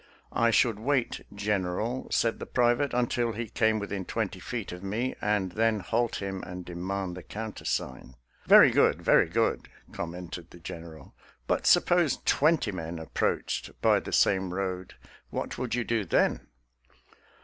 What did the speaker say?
"" I should wait. General," said the private, " until he came within twenty feet of me, and then halt him and demand the countersign." " Very good, very good," commented the Gen eral; "but suppose twenty men approached by the same road, what would you do then?